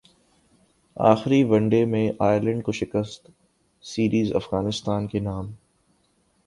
اخری one day میں Ireland کو شکستسیریز افغانستان کے نام